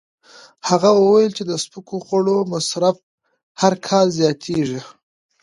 هغه وویل چې د سپکو خوړو مصرف هر کال زیاتېږي.